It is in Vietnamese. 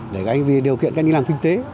điều kiện để anh đi làm kinh tế